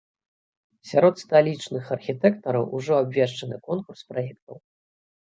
Сярод сталічных архітэктараў ужо абвешчаны конкурс праектаў.